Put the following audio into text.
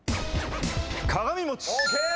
鏡餅！